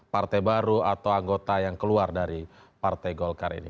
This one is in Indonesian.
partai baru atau anggota yang keluar dari partai golkar ini